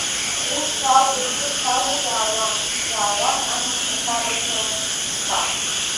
Ус акәу, егьыс акәу, иаауан, иаауан Ан лԥацәа рысалам шәҟәқәа.